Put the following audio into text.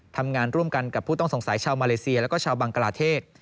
ทำงานร่วมกันกับผู้ต้องสงสัยชาวมาเลเซียแล้วก็ชาวบังกลาเทศ